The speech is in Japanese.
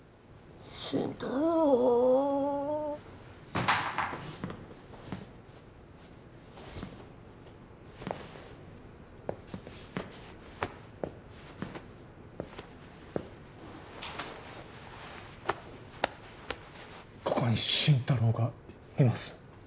心太朗ここに心太朗がいます。